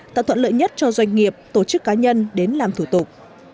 tạo thuận lợi nhất cho doanh nghiệp tổ chức cá nhân đến làm thủ tục